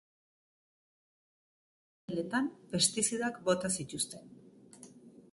Tafallako lur sailetan pestizidak bota zituzten.